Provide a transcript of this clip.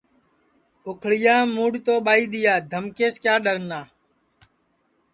اُکھݪِیام موڈؔ تو دھمکیس کِیا ڈؔنا